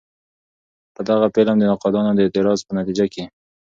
په غه فلم د نقادانو د اعتراض په نتيجه کښې